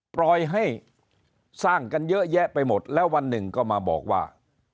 ปล่อยให้สร้างกันเยอะแยะไปหมดแล้ววันหนึ่งก็มาบอกว่า